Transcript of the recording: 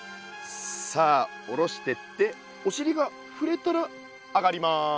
さあ下ろしてっておしりが触れたら上がります。